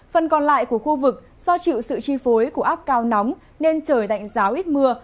phần còn lại của khu vực do chịu sự chi phối của áp cao nóng nên trời tạnh giáo ít mưa